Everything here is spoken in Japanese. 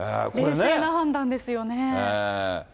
冷静な判断ですよね。